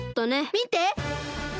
みて！